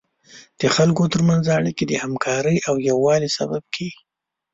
د خلکو تر منځ اړیکې د همکارۍ او یووالي سبب کیږي.